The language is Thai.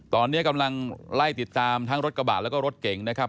ตอนนี้กำลังไล่ติดตามทั้งรถกระบาดแล้วก็รถเก่งนะครับ